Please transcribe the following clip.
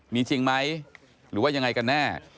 มีจริงไหมหรือว่ายังไงกันแน่